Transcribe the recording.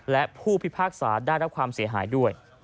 และผู้พิพากษาได้รับความเสียหายด้วย